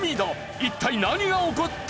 一体何が起こったのか？